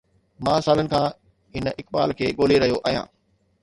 مان سالن کان هن اقبال کي ڳولي رهيو آهيان